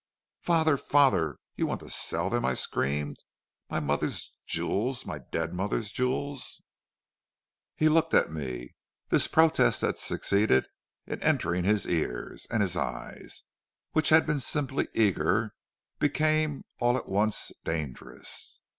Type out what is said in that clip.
"'Father, father, you want to sell them,' I screamed. 'My mother's jewels; my dead mother's jewels!' "He looked at me; this protest had succeeded in entering his ears, and his eye, which had been simply eager, became all at once dangerous.